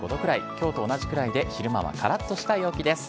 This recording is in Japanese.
きょうと同じぐらいで、昼間はからっとした陽気です。